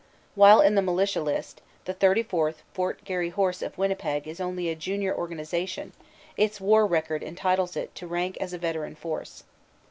While in the militia list the 34th. Fort Garry Horse of Winnipeg is only a junior organization, its war record entitles it to rank as a veteran force.